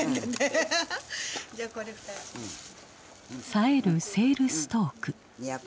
さえるセールストーク。